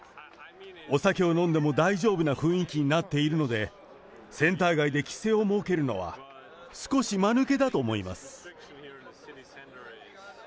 お酒を飲んでも大丈夫な雰囲気になっているので、センター街で規制を設けるのは、少しまぬけだと思います。